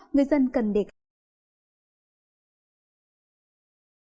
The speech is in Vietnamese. người dân cần đề cập